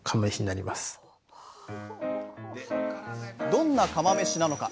どんな釜めしなのか？